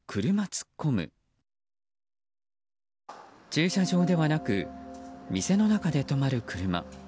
駐車場ではなく店の中で止まる車。